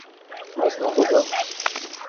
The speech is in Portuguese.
Nós não roubamos.